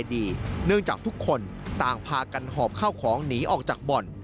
เนื่องจากทุกคนต่างพากันหอบข้าวของหนีออกจากบ่อน